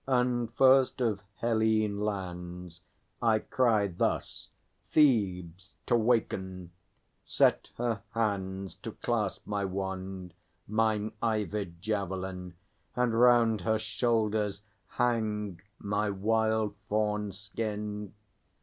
And first of Hellene lands I cry thus Thebes to waken; set her hands To clasp my wand, mine ivied javelin, And round her shoulders hang my wild fawn skin.